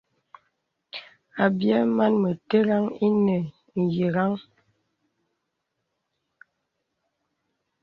Àbyɛ̌ màn mə̀tə̀ràŋ ìnə nyə̀rəŋ.